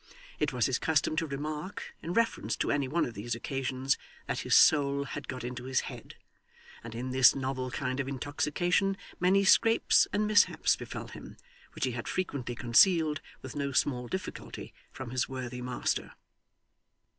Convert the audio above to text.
It was his custom to remark, in reference to any one of these occasions, that his soul had got into his head; and in this novel kind of intoxication many scrapes and mishaps befell him, which he had frequently concealed with no small difficulty from his worthy master.